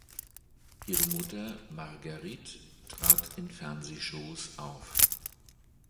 Ihre Mutter Marguerite trat in Fernsehshows auf.